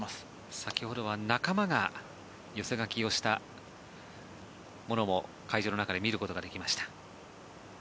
先ほどは仲間が寄せ書きをしたものを会場の中で見ることができました。